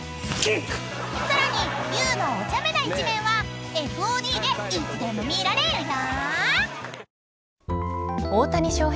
［さらにゆうのおちゃめな一面はＦＯＤでいつでも見られるよ］